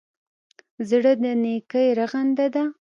زړه د نېکۍ رغنده ده.